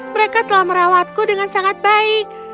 mereka telah merawatku dengan sangat baik